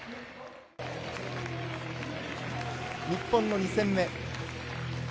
日本の２戦目。